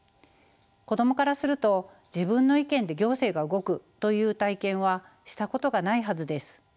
子供からすると自分の意見で行政が動くという体験はしたことがないはずです。